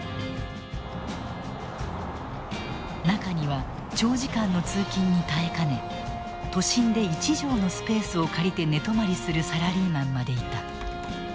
中には長時間の通勤に耐えかね都心で１畳のスペースを借りて寝泊まりするサラリーマンまでいた。